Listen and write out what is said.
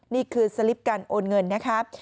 นี่คือสลิปการโอนเงินนะครับ